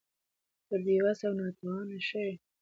که بې وسه او ناتوانه شوې